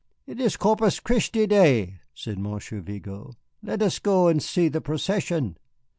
"It is Corpus Christi day," said Monsieur Vigo; "let us go and see the procession."